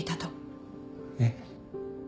えっ？